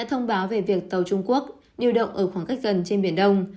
họ đã thông báo về việc tàu trung quốc điều động ở khoảng cách gần trên biển đông